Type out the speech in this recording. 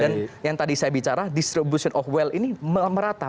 dan yang tadi saya bicara distribution of wealth ini merata